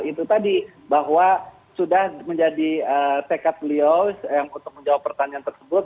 itu tadi bahwa sudah menjadi tekad beliau yang untuk menjawab pertanyaan tersebut